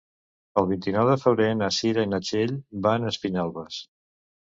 El vint-i-nou de febrer na Cira i na Txell van a Espinelves.